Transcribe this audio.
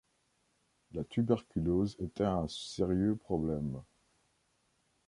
La tuberculose était un sérieux problème.